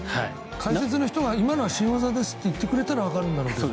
解説の人が今のは新技ですって言ってくれたらわかるんだろうけど。